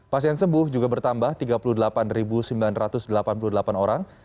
pasien sembuh juga bertambah tiga puluh delapan sembilan ratus delapan puluh delapan orang